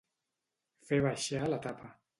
Fer baixar la tapa.